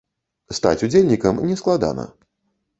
Стаць удзельнікам не складана.